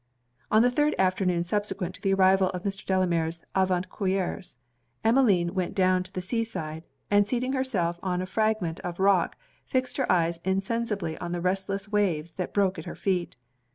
On the third afternoon subsequent to the arrival of Mr. Delamere's avant couriers, Emmeline went down to the sea side, and seating herself on a fragment of rock, fixed her eyes insensibly on the restless waves that broke at her feet.